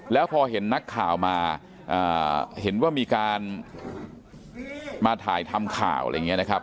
แล้วพอเห็นนักข่าวมาเห็นว่ามีการมาถ่ายทำข่าวอะไรอย่างนี้นะครับ